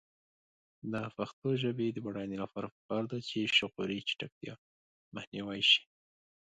د پښتو ژبې د بډاینې لپاره پکار ده چې شعوري چټکتیا مخنیوی شي.